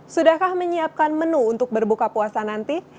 sudahkah menyiapkan menu untuk berbuka puasa nanti